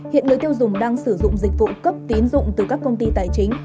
hiện người tiêu dùng đang sử dụng dịch vụ cấp tín dụng từ các công ty tài chính